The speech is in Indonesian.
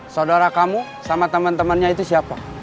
saudara kamu sama temen temennya itu siapa